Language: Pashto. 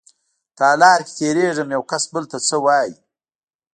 تالار کې تېرېږم يوکس بل ته څه وايي.